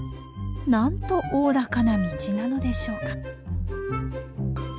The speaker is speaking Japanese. なんとおおらかな道なのでしょうか。